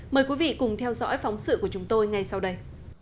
mời quý vị cùng theo dõi phóng sự của chúng tôi ngay sau đây